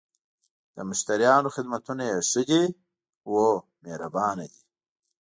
د مشتریانو خدمتونه یی ښه ده؟ هو، مهربانه دي